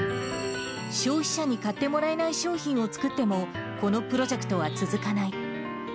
消費者に買ってもらえない商品を作っても、このプロジェクトは続かない。